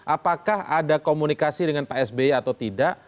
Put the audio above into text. apakah ada komunikasi dengan pak sby atau tidak